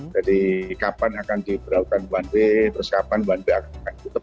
jadi kapan akan diperlakukan one way terus kapan one way akan diutup